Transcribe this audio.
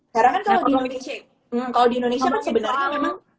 sekarang kan kalau di indonesia kalau di indonesia sebenarnya memang